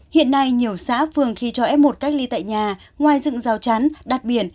hiện nay nhiều xã phường khi cho f một cách ly tại nhà ngoài dựng rào chắn đặt biển